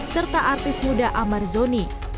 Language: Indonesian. serta artis muda amar zoni